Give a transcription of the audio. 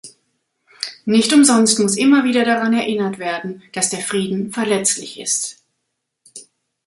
Nicht umsonst muss immer wieder daran erinnert werden, dass der Frieden verletzlich ist.